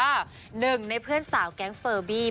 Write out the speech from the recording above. หนึ่งในเพื่อนสาวแก๊งเฟอร์บี้